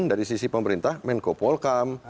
dari sisi pemerintah menko polkam